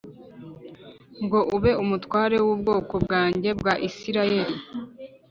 ngo ube umutware w’ubwoko bwanjye bwa Isirayeli.